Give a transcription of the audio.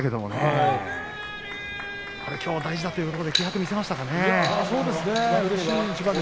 きょう大事だということで気迫を見せましたよね。